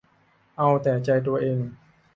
เอาแต่ใจตัวเอง